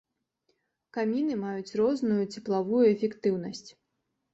Каміны маюць розную цеплавую эфектыўнасць.